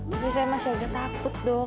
tapi saya masih agak takut dong